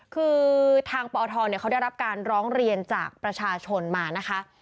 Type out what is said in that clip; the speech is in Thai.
คือทางปทเขาได้รับการร้องเรียนจากประชาชนมานะคะ